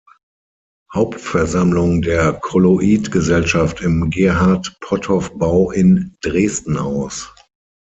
Hauptversammlung der Kolloid-Gesellschaft im Gerhart-Potthoff-Bau in Dresden aus.